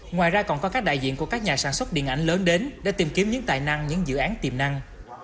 ngoài ra còn có các đại diện của các nhà sản xuất điện ảnh lớn đến để tìm kiếm những tài năng những dự án tiềm năng